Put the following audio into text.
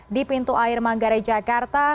di pintu air manggarai jakarta